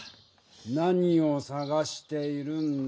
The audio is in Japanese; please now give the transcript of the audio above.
何を探しているんだ？